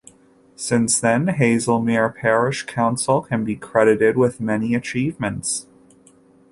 Since then, Hazlemere Parish Council can be credited with many achievements.